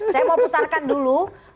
saya mau putarkan dulu